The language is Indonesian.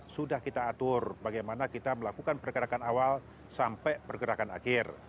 sudah kita atur bagaimana kita melakukan pergerakan awal sampai pergerakan akhir